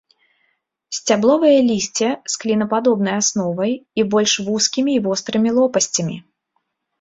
Сцябловае лісце з клінападобнай асновай і больш вузкімі і вострымі лопасцямі.